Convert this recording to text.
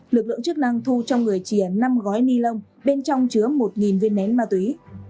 lực lượng chức năng thu trong người chìa năm gói ni lông bên trong chứa một viên nén ma túy